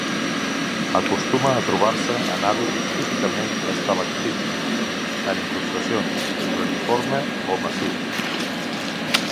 Acostuma a trobar-se en hàbit típicament estalactític, en incrustacions, reniforme o massiu.